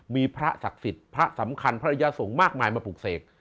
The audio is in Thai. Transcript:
มีพระศักดิ์สิทธิ์พระสำคัญภรรยาสงฆ์มากมายมาปลูกเสก